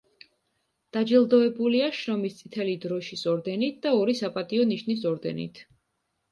დაჯილდოებულია შრომის წითელი დროშის ორდენით და ორი საპატიო ნიშნის ორდენით.